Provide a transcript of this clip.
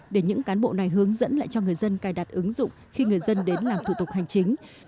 để những cán bộ này hướng dẫn lại cho người dân cài đặt ứng dụng khi người dân đến làm thủ tục hành chính